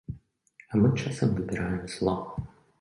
А мы часам выбіраем зло.